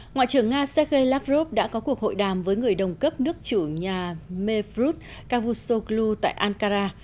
ngoại trưởng nga sergei lavrov đã có cuộc hội đàm với người đồng cấp nước chủ nhà mevrod cavusoglu tại ankara